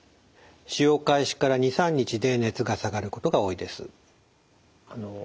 使用開始から２３日で熱が下がることが多いです。